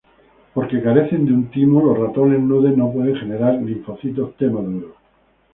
Porque carecen de un timo, los ratones nude no pueden generar linfocitos T maduros.